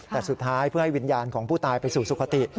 แต่สุดท้ายเพื่อให้วิญญาณของผู้ตายไปสู่สุขติ